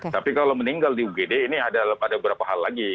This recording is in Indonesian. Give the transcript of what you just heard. tapi kalau meninggal di ugd ini ada beberapa hal lagi